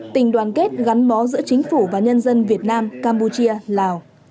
tình đoàn kết gắn bó giữa chính phủ và nhân dân việt nam campuchia lào